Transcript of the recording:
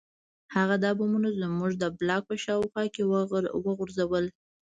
هغه دا بمونه زموږ د بلاک په شاوخوا کې وغورځول